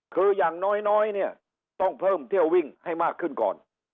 คืออย่างน้อยเนี่ยต้องเพิ่มเที่ยววิ่งให้มากขึ้นก่อน